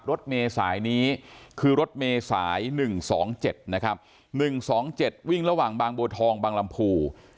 รถเมสายนี้คือรถเมสายหนึ่งสองเจ็ดนะครับหนึ่งสองเจ็ดวิ่งระหว่างบางบัวทองบางลำภู